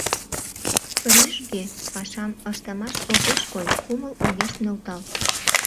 Рӱжге пашам ыштымаш огеш кой, кумыл огеш нӧлталт.